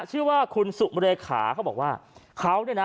ชื่อว่าคุณสุมเลขาเขาบอกว่าเขาเนี่ยนะ